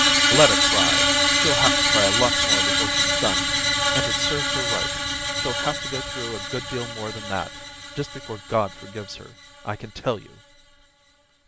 * Let her cry ; she'll have to cry a lot more before she's done. And it serves her right ; and it serves you right. She'll have to go through a good deal more than that before God forgives her, I can tell you.'